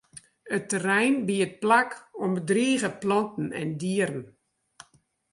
It terrein biedt plak oan bedrige planten en dieren.